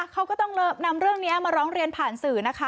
เขาก็ต้องนำเรื่องนี้มาร้องเรียนผ่านสื่อนะคะ